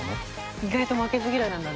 「意外と負けず嫌いなんだね」